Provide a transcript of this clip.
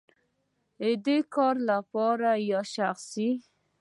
د کار لپاره یا شخصی؟